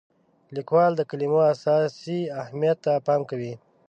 لیکوال د کلمو اساسي اهمیت ته پام کوي.